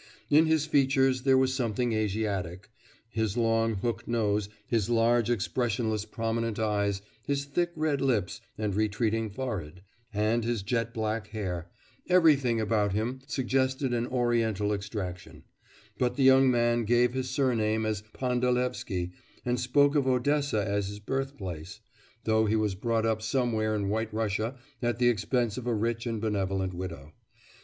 In his features there was something Asiatic. His long hook nose, his large expressionless prominent eyes, his thick red lips, and retreating forehead, and his jet black hair, everything about him suggested an Oriental extraction; but the young man gave his surname as Pandalevsky and spoke of Odessa as his birthplace, though he was brought up somewhere in White Russia at the expense of a rich and benevolent widow.